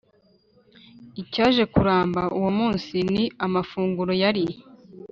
icyaje kuramba uwo munsi ni amafunguro yari